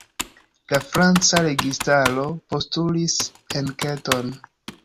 La franca registaro postulis enketon.